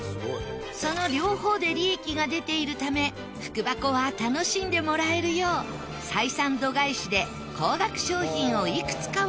その両方で利益が出ているため福箱は楽しんでもらえるよう採算度外視で高額商品をいくつかは入れているんだそう。